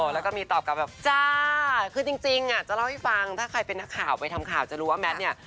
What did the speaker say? แล้วก็มีตอบกลับแบบจ้าคือจริงจะเล่าให้ฟังถ้าใครเป็นนักข่าวไปทำข่าวจะรู้ว่าแมทเนี่ย